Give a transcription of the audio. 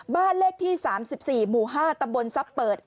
บ้านเลขที่๓๔หมู่๕ตำบลทรัพย์เปิด